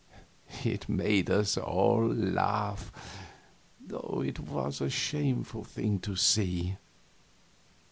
It made us all laugh, though it was a shameful thing to see.